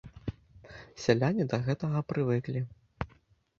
Сяляне да гэтага прывыклі.